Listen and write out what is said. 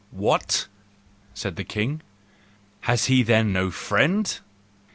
" What ?" said the king, " has he then no friend